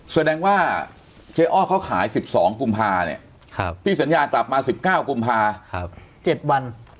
แสดงว่าเจอร์เขาขาย๑๒กุมภาคมพี่สัญญาตรับมา๑๙กุมภาคม๗วัน